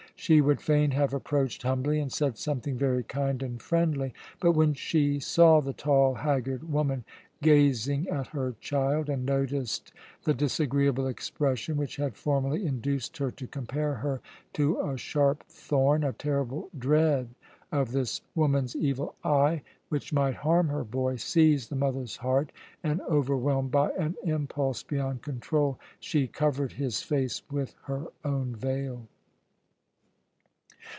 She would fain have approached humbly and said something very kind and friendly; but when she saw the tall, haggard woman gazing at her child, and noticed the disagreeable expression which had formerly induced her to compare her to a sharp thorn, a terrible dread of this woman's evil eye which might harm her boy seized the mother's heart and, overwhelmed by an impulse beyond control, she covered his face with her own veil.